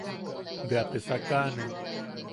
Be te sakane.